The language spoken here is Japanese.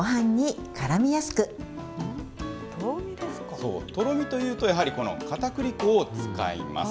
そう、とろみというとやはり、このかたくり粉を使います。